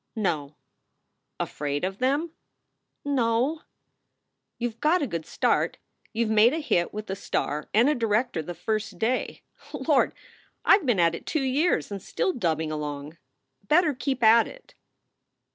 "No." "Afraid of them?" "No o." "You ve got a good start. You ve made a hit with a star and a director the first day. Lord! I ve been at it two years and still dubbing along. Better keep at it."